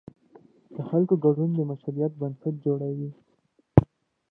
د خلکو ګډون د مشروعیت بنسټ جوړوي